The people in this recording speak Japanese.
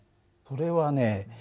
それはね